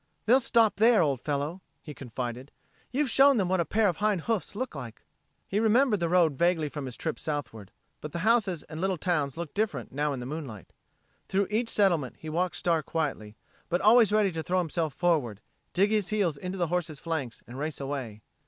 "They'll stop there, old fellow," he confided. "You've shown them what a pair of hind hoofs look like." He remembered the road vaguely from his trip southward, but the houses and the little towns looked different now in the moonlight. Through each settlement he walked Star quietly, but always ready to throw himself forward, dig his heels into the horse's flanks and race away.